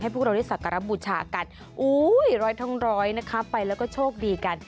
พวกเราได้สักการะบูชากันอุ้ยร้อยท้องร้อยนะคะไปแล้วก็โชคดีกัน